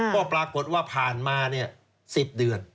ก็ปรากฏว่าผ่านมา๑๐เดือน